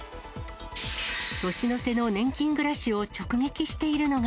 年の瀬の年金暮らしを直撃しているのが。